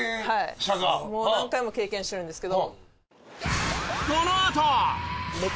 もう何回も経験してるんですけど。